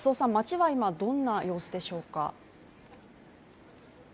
街は今どんな様子でしょうか？